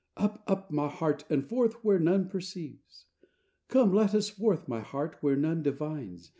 Up, up, my heart, and forth where none perceives! Come, let us forth, my heart, where none divines!